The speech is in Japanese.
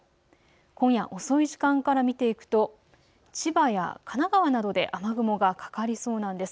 今夜、遅い時間から見ていくと千葉や神奈川などで雨雲がかかりそうなんです。